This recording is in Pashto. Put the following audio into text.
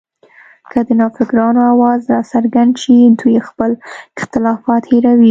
که د نوفکرانو اواز راڅرګند شي، دوی خپل اختلافات هېروي